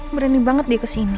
berani banget dia kesini